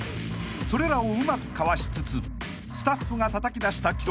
［それらをうまくかわしつつスタッフがたたき出した